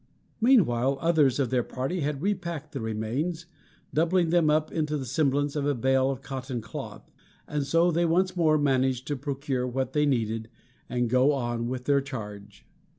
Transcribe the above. Meanwhile others of their party had repacked the remains, doubling them up into the semblance of a bale of cotton cloth, and so they once more managed to procure what they needed and go on with their charge.